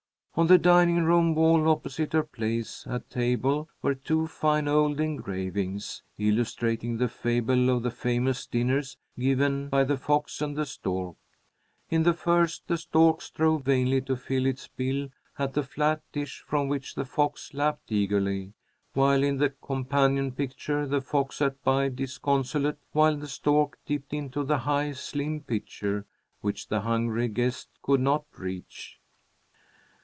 On the dining room wall opposite her place at table were two fine old engravings, illustrating the fable of the famous dinners given by the Fox and the Stork. In the first the stork strove vainly to fill its bill at the flat dish from which the fox lapped eagerly, while in the companion picture the fox sat by disconsolate while the stork dipped into the high slim pitcher, which the hungry guest could not reach.